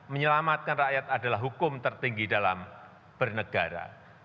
menyelamatkan rakyat adalah hukum tertinggi dalam bernegara